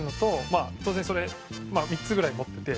まあ当然それ３つぐらい持ってて。